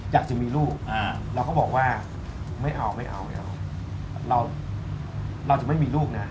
อยากจะมีลูกเราก็บอกว่าไม่เอาเราจะไม่มีลูกนะ